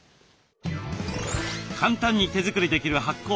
簡単に手作りできる発酵食。